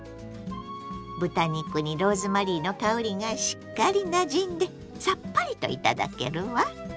豚肉にローズマリーの香りがしっかりなじんでさっぱりといただけるわ。